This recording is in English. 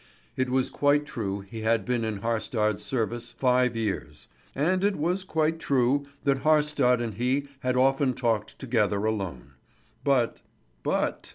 It was quite true he had been in Haarstad's service five years, and it was quite true that Haarstad and he had often talked together alone; but but